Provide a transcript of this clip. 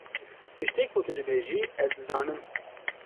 Tiştê ku tu dibêjî ez dizanim.